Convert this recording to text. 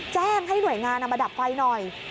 แจ้งให้หน่วยงานมาดับไฟหน่อย